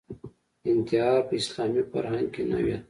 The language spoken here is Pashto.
انتحار په اسلامي فرهنګ کې نوې ده